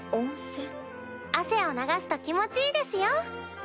汗を流すと気持ちいいですよ。